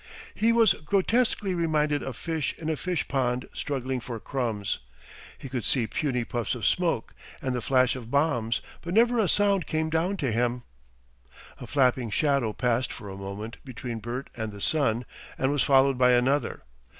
He was grotesquely reminded of fish in a fish pond struggling for crumbs. He could see puny puffs of smoke and the flash of bombs, but never a sound came down to him.... A flapping shadow passed for a moment between Bert and the sun and was followed by another.